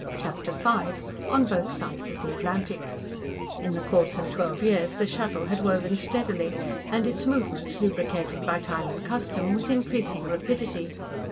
CHAPTER V ON BOTH SIDES OF THE ATLANTIC In the course of twelve years the Shuttle had woven steadily and its movements lubricated by time and custom with increasing rapidity.